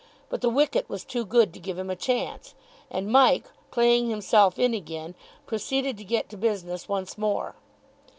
But the wicket was too good to give him a chance, and Mike, playing himself in again, proceeded to get to business once more.